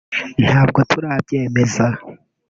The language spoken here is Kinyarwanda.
Ntabwo turabyemeza